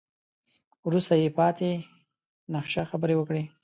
وروسته يې په پاتې نخشه خبرې وکړې.